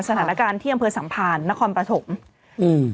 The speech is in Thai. สถานการณ์เที่ยงเผือสัมผ่านนครปฐมอืม